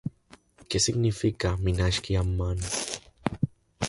Què significa Minakxi Amman?